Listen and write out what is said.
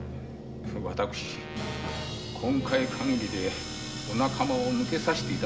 私今回限りでお仲間を抜けさせていただきたいのです。